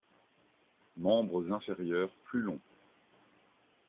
Membres inférieurs plus longs.